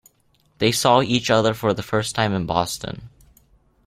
They saw each other for the first time in Boston.